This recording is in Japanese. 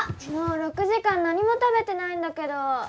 もう６時間何も食べてないんだけど！